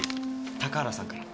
高原さんから。